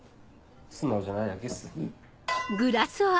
素直じゃないだけっす。